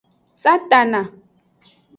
Satana.